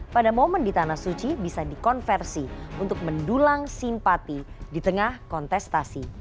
pada momen di tanah suci bisa dikonversi untuk mendulang simpati di tengah kontestasi